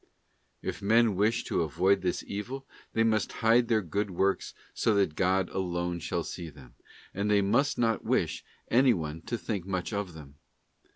* If men wish to avoid this evil they must hide their good works so that God alone. shall see them, and they must not wish any one to think much of them.